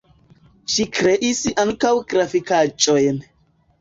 Ŝi kreis ankaŭ grafikaĵojn.